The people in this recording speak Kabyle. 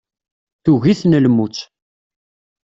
Tugi-ten lmut.